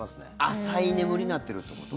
浅い眠りになってるってこと？